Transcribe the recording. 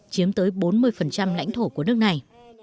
chiếm tới bốn mươi lãnh thổ của nước này